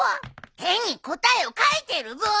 手に答えを書いてるブー！